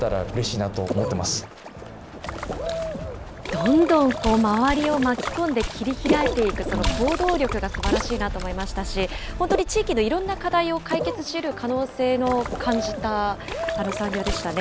どんどん周りを巻き込んで切り開いていく、その行動力がすばらしいなと思いましたし、本当に地域のいろんな課題を解決しうる可能性を感じた参入でしたね。